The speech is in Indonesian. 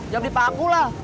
ya beli paku lah